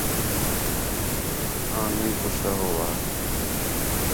آݨ نہیں پُچھدا ہُو وا